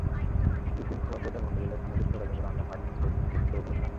ভিত্তিহীন খবর প্রচার মোকাবিলায় সামাজিক যোগাযোগের অনলাইন মাধ্যম ফেসবুক কিছু পরিকল্পনা নিয়েছে।